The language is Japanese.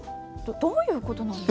どういうことなんです？